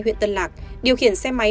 huyện tân lạc điều khiển xe máy